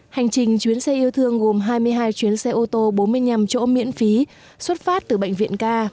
hành trình chuyến xe yêu thương gồm hai mươi hai chuyến xe ô tô bốn mươi năm chỗ miễn phí xuất phát từ bệnh viện ca